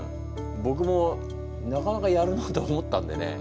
ぼくもなかなかやるなと思ったんでね。